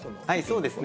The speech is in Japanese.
そうですね。